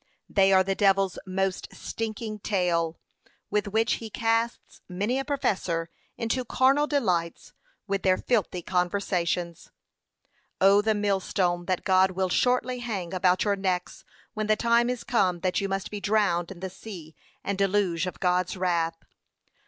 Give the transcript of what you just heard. They are the devil's most stinking tail, with which he casts many a professor into carnal delights, with their filthy conversations.' p. 530. 'Oh! the millstone that God will shortly hang about your necks, when the time is come that you must be drowned in the sea and deluge of God's wrath.'